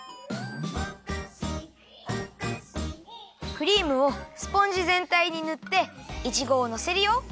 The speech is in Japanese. クリームをスポンジぜんたいにぬっていちごをのせるよ。